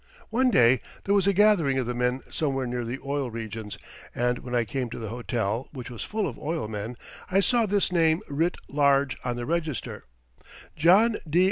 One day there was a gathering of the men somewhere near the oil regions, and when I came to the hotel, which was full of oil men, I saw this name writ large on the register: _John D.